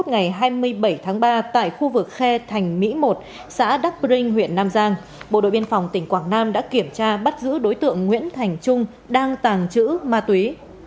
ngày hai mươi bảy tháng ba tại khu vực khe thành mỹ một xã đắc rinh huyện nam giang bộ đội biên phòng tỉnh quảng nam đã kiểm tra bắt giữ đối tượng nguyễn thành trung đang tàng trữ ma túy